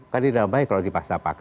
kan tidak baik kalau dipaksa paksa